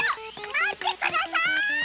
まってください！